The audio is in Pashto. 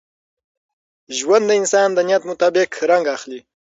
ژوند د انسان د نیت مطابق رنګ اخلي.